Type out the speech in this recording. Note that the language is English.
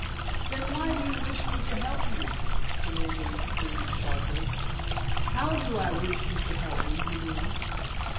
"Then why do you wish me to help you?" demanded Miss Greeby sharply. "How do I wish you to help me, you mean."